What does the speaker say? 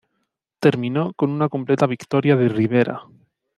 Terminó con una completa victoria de Rivera.